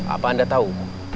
apa anda tau